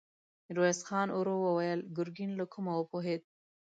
ميرويس خان ورو وويل: ګرګين له کومه وپوهېد؟